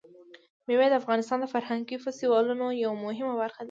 مېوې د افغانستان د فرهنګي فستیوالونو یوه مهمه برخه ده.